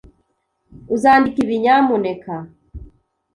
Uzandika ibi, nyamuneka?